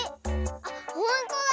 あっほんとだ！